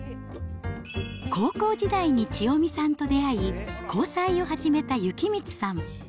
高校時代に千代美さんと出会い、交際を始めた幸光さん。